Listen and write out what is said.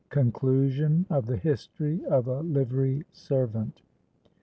CONCLUSION OF THE HISTORY OF A LIVERY SERVANT.